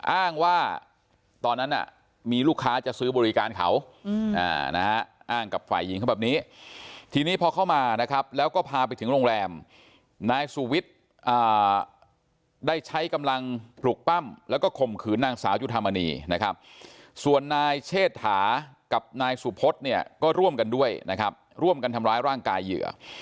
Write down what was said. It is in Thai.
อ้างว่าตอนนั้นมีลูกค้าจะซื้อบริการเขานะฮะอ้างกับฝ่ายหญิงเขาแบบนี้ทีนี้พอเข้ามานะครับแล้วก็พาไปถึงโรงแรมนายสุวิทย์ได้ใช้กำลังปลุกปั้มแล้วก็ข่มขืนนางสาวจุธามณีนะครับส่วนนายเชษฐากับนายสุพธเนี่ยก็ร่วมกันด้วยนะครับร่วมกันทำร้ายร่างกายเหยื่อ